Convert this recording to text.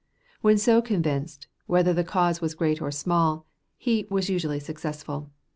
When so convinced, whether the cause was great or small, he was usually successful.